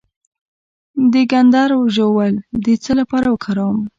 د کندر ژوول د څه لپاره وکاروم؟